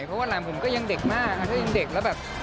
เพราะว่าหลังผมก็ยังเด็กมากถ้ายังเด็กแล้วแบบ